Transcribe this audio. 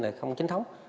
là không chính thống